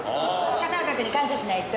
片岡君に感謝しないと。